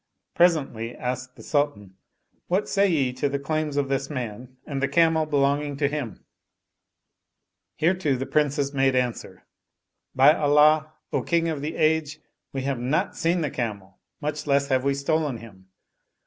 Presently, asked the Sultan, " What say ye to the claims of this man and the camel belonging to him?" Hereto the Princes made answer, " By Allah, O King of the Age, we have not seen the camel, much less have we stolen him."